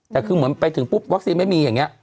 แต่คือเหมือนไปถึงปุ๊บวัคซีนไม่มีอย่างนี้